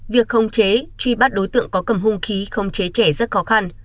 việc khống chế truy bắt đối tượng có cầm hung khí không chế trẻ rất khó khăn